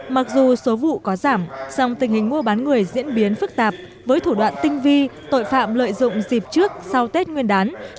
mặc dù số vụ có giảm song tình hình mua bán người diễn biến phức tạp với thủ đoạn tinh vi tội phạm lợi dụng dịp trước sau tết nguyên đán